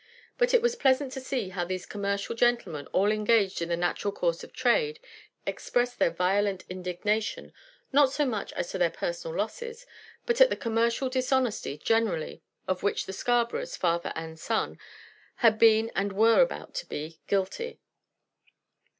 But it was pleasant to see how these commercial gentlemen, all engaged in the natural course of trade, expressed their violent indignation, not so much as to their personal losses, but at the commercial dishonesty generally of which the Scarboroughs, father and son, had been and were about to be guilty.